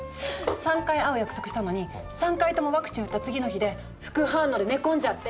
３回会う約束したのに３回ともワクチン打った次の日で副反応で寝込んじゃって。